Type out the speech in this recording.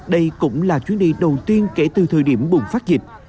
đây cũng là chuyến đi đầu tiên kể từ thời điểm bùng phát dịch